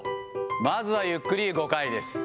まずはゆっくり５回です。